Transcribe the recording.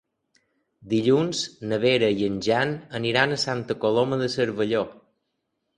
Dilluns na Vera i en Jan aniran a Santa Coloma de Cervelló.